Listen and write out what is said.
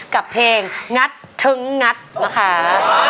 กับเพลงงัดทึ้งงัดนะคะ